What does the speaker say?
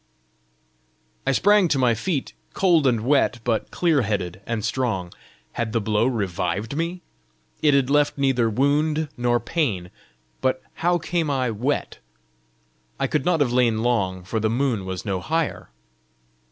I sprang to my feet, cold and wet, but clear headed and strong. Had the blow revived me? it had left neither wound nor pain! But how came I wet? I could not have lain long, for the moon was no higher!